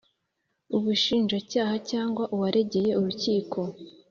Ubushinjacyaha cyangwa uwaregeye urukiko